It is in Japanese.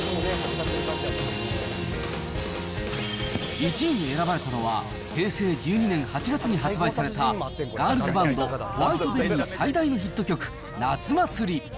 １位に選ばれたのは、平成１２年８月に発売されたガールズバンド、Ｗｈｉｔｅｂｅｒｒｙ最大のヒット曲、夏祭り。